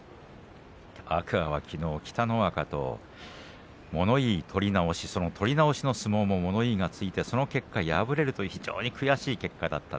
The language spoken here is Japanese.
天空海はきのう北の若と物言い、取り直し取り直しの相撲も物言いがついてその結果敗れるという悔しい結果でした。